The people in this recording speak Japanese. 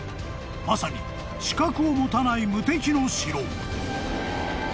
［まさに死角を持たない無敵の城］